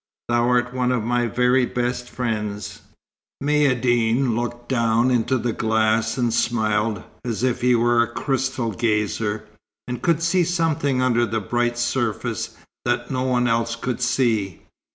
"Thou art one of my very best friends." Maïeddine looked down into the glass and smiled, as if he were a crystal gazer, and could see something under the bright surface, that no one else could see.